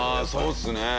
そうですね。